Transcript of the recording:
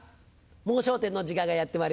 『もう笑点』の時間がやってまいりました。